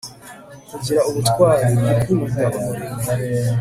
kugira ubutwari , gukunda umurimo